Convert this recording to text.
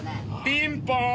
ピンポーン！